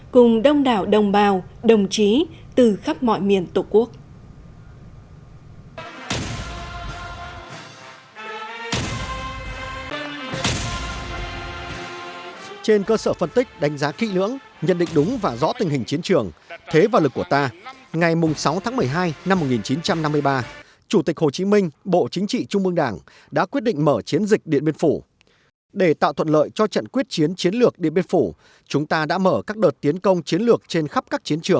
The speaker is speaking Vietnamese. cùng đông đảo đồng bào đồng chí từ khắp mọi miền tổ quốc